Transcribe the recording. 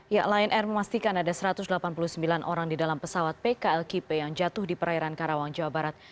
ya lion air memastikan ada satu ratus delapan puluh sembilan orang di dalam pesawat pkl kipe yang jatuh di perairan karawang jawa barat